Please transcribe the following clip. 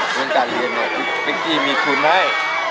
เรื่องการเรียนเนี่ยเพคกี้มีคุณให้